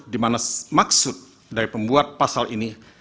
di mana maksud dari pembuat pasal ini